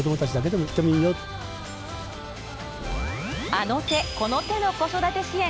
あの手この手の子育て支援。